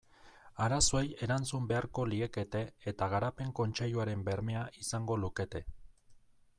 Arazoei erantzun beharko liekete eta Garapen Kontseiluaren bermea izango lukete.